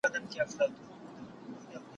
ته چي دومره یې هوښیار نو به وزیر یې